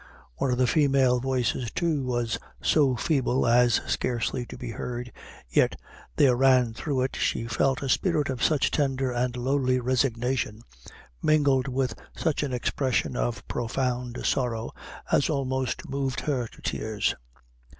One of the female voices, too, was so feeble as scarcely to be heard, yet there ran through it, she felt, a spirit of such tender and lowly resignation, mingled with such an expression of profound sorrow, as almost moved her to tears.